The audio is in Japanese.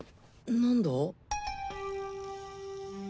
何だ？